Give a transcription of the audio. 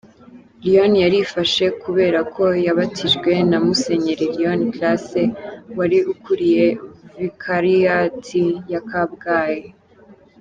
Léon yarifashe kubera ko yabatijwe na Musenyeri Léon Classe wari ukuriye vicariat ya Kabgayi.